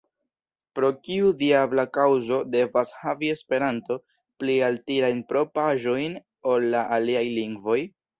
Pro kiu diabla kaŭzo devas havi Esperanto pli altirajn propraĵojn ol la aliaj lingvoj?